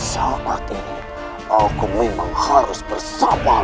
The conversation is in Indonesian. saat ini aku memang harus bersama